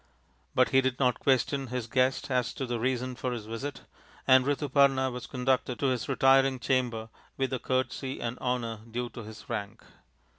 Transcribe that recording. But he did not question his guest as to the reason for his visit, and Rituparna was conducted to his retiring chamber with the courtesy and honour due to his rank.